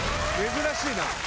珍しいな。